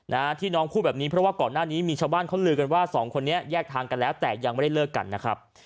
นะฮะที่น้องพูดแบบนี้เพราะว่าก่อนหน้านี้มีชาวบ้านเขาลือกันว่าสองคนนี้แยกทางกันแล้วแต่ยังไม่ได้เลิกกันนะครับ